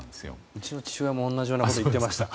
うちの父親も同じようなことを言っていました。